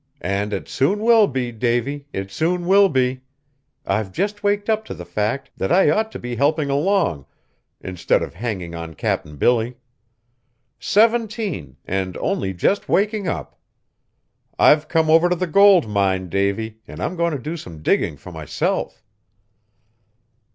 And it soon will be, Davy; it soon will be. I've just waked up to the fact that I ought to be helping along, instead of hanging on Cap'n Billy. Seventeen, and only just waking up! I've come over to the gold mine, Davy, and I'm going to do some digging for myself."